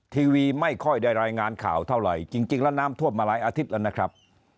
ทีวีไม่ค่อยได้รายงานข่าวเท่าไหร่จริงแล้วน้ำท่วมมาหลายอาทิตย์แล้วนะครับ